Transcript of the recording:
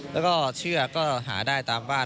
แล้วก็เชือกก็หาได้ตามบ้าน